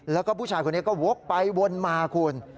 แล้วก็ผู้ชายคนนี้ก็วกไปวนมาคุณ